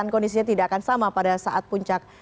kondisinya tidak akan sama pada saat puncak